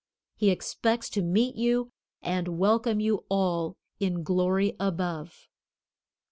He expects to meet you and welcome you all in glory above.